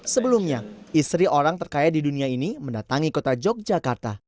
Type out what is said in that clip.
sebelumnya istri orang terkaya di dunia ini mendatangi kota yogyakarta